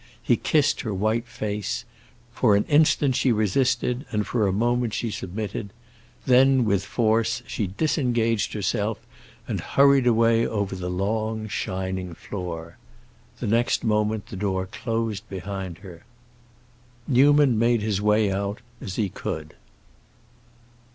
He kissed her white face; for an instant she resisted and for a moment she submitted; then, with force, she disengaged herself and hurried away over the long shining floor. The next moment the door closed behind her. Newman made his way out as he could.